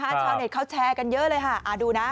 ชาวเน็ตเขาแชร์กันเยอะเลยค่ะดูนะ